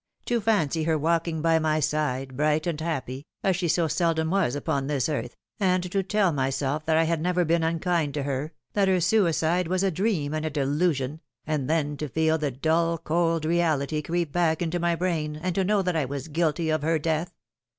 To fancy her walking by my side, bright and happy, as she so seldom was upon this earth, and to tell myself that I had never been unkind to her, that her suicide was a dream and a delusion, and then to feel the dull cold reality creep back into my brain, and to know that I was guilty of her death.